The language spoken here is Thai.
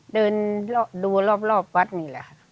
เดินดูรอบวัดนี่แหละค่ะ